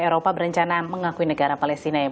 eropa berencana mengakui negara palestina yang